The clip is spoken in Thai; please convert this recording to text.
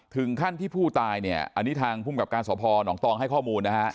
ถึงขั้นที่ผู้ตายเนี่ยอันนี้ทางภูมิกับการสพนตองให้ข้อมูลนะฮะ